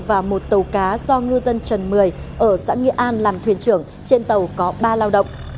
và một tàu cá do ngư dân trần mười ở xã nghĩa an làm thuyền trưởng trên tàu có ba lao động